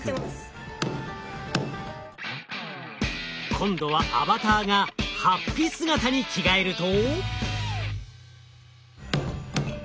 今度はアバターがはっぴ姿に着替えると？